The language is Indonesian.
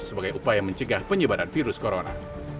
sebagai upaya mencegah penyebaran virus corona